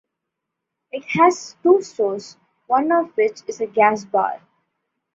It has two stores, one of which is a gas bar.